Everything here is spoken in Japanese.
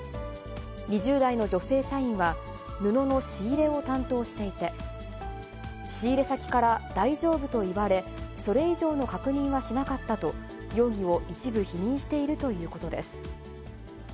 ２０代の女性社員は、布の仕入れを担当していて、仕入れ先から大丈夫と言われ、それ以上の確認はしなかったと、容疑を一部否認しているということです。